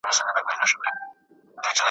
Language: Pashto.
لاس دي شل د محتسب وي شیخ مختوری پر بازار کې ,